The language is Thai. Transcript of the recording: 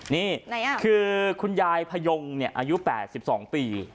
นี่คือคุณยายพยงอายุ๘๒ปี